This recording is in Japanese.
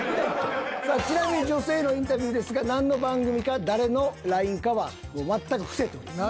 さあちなみに女性へのインタビューですが何の番組か誰のＬＩＮＥかは全く伏せております。